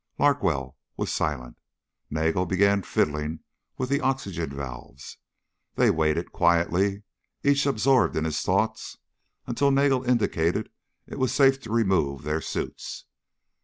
Larkwell was silent. Nagel began fiddling with the oxygen valves. They waited, quietly, each absorbed in his thoughts until Nagel indicated it was safe to remove their suits.